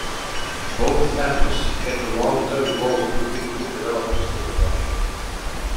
Both efforts had the long-term goal of bringing new developers to the project.